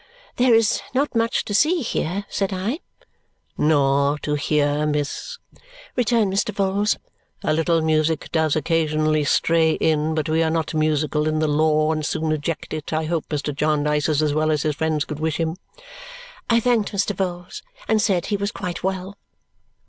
"There is not much to see here," said I. "Nor to hear, miss," returned Mr. Vholes. "A little music does occasionally stray in, but we are not musical in the law and soon eject it. I hope Mr. Jarndyce is as well as his friends could wish him?" I thanked Mr. Vholes and said he was quite well.